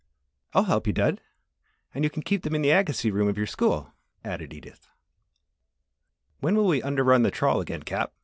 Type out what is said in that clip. "I'll help you, Dud, and you can keep them in the Agassiz room of your school," added Edith. "When will we under run the trawl again, Cap?"